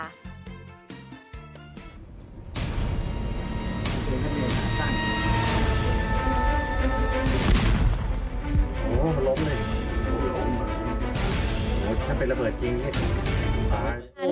โอ้โหมันล้มเลยมันล้มมากมันเป็นระเบิดจริงใช่ไหม